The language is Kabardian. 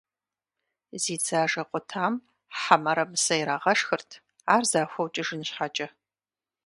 Зи дзажэ къутам хьэ мырамысэ ирагъэшхырт, ар захуэу кӏыжын щхьэкӏэ.